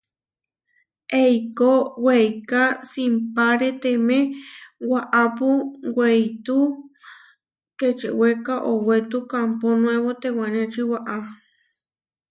Eikó weiká simpáreteme waʼápu weitú Kečewéka, owetú Kámpo Nuébo tewániači waʼá.